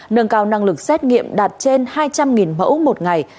nâng cao năng lực xét nghiệm đạt trên hai trăm linh mẫu một ngày